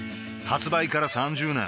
発売から３０年